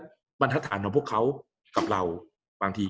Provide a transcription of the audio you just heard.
กับการสตรีมเมอร์หรือการทำอะไรอย่างเงี้ย